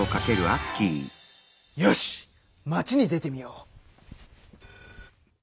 よし町に出てみよう！